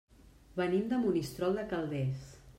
Venim de Monistrol de Calders.